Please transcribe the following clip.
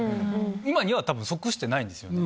今にはたぶん、即してないんですよね。